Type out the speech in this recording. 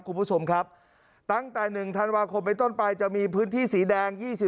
คุณผู้ชมครับตั้งแต่๑ธันวาคมไปต้นไปจะมีพื้นที่สีแดง